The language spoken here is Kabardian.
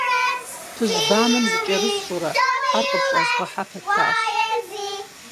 - Пыжь банэм зыкӏэрысщӏэурэ, хьэр къыпщӏэзгъэхьэ пэтащ.